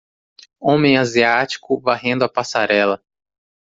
Homem asiático varrendo a passarela.